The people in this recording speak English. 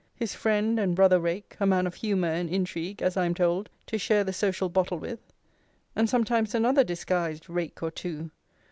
His friend and brother rake (a man of humour and intrigue) as I am told, to share the social bottle with. And sometimes another disguised rake or two.